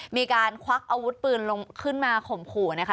ควักอาวุธปืนลงขึ้นมาข่มขู่นะคะ